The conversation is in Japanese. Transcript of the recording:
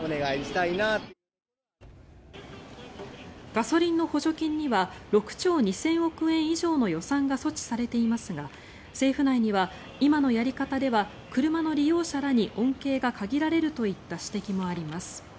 ガソリンの補助金には６兆２０００億円以上の予算が措置されていますが政府内には今のやり方では車の利用者らに恩恵が限られるといった指摘もあります。